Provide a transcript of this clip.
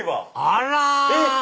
あら！